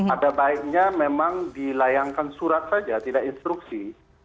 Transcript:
ada baiknya memang dilayangkan surat saja tidak instruksi